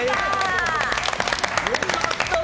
よかったな！